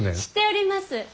知っております。